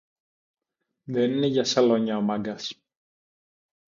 Δεν είναι για σαλόνια ο Μάγκας